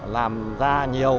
làm ra nhiều